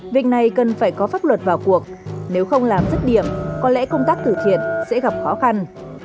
việc này cần phải có pháp luật vào cuộc nếu không làm dứt điểm có lẽ công tác từ thiện sẽ gặp khó khăn